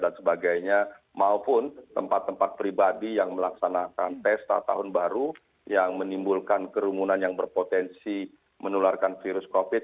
dan sebagainya maupun tempat tempat pribadi yang melaksanakan pesta tahun baru yang menimbulkan kerumunan yang berpotensi menularkan virus covid